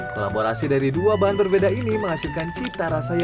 kolaborasi dari dua bahan berbeda ini menghasilkan cita rasa yang berbeda